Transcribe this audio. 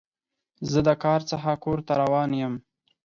زه د کار څخه کور ته روان یم.